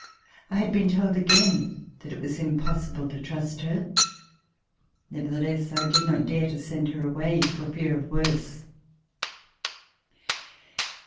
I had been told again that it was impossible to trust her. Nevertheless, I did not dare to send her away for fear of worse.